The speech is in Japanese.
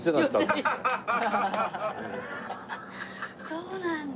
そうなんだ。